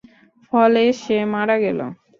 ফলে সে মারা গেল।